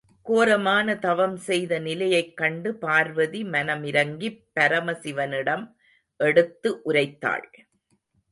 கோரமான தவம் செய்த நிலையைக் கண்டு பார்வதி மனம் இரங்கிப் பரமசிவனிடம் எடுத்து உரைத்தாள்.